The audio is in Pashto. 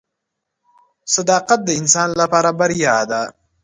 • صداقت د انسان لپاره بریا ده.